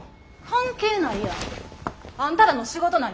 関係ないやん。あんたらの仕事何？